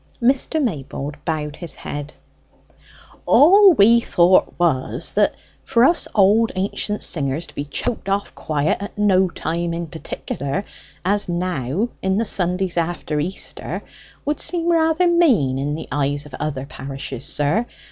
Mr. Maybold bowed his head. "All we thought was, that for us old ancient singers to be choked off quiet at no time in particular, as now, in the Sundays after Easter, would seem rather mean in the eyes of other parishes, sir.